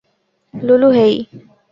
লুলু, হেই।